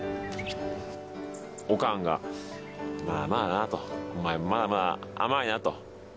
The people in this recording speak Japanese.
おかんが「まだまだだな」と「お前もまだまだ甘いな」と。